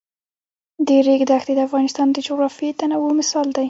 د ریګ دښتې د افغانستان د جغرافیوي تنوع مثال دی.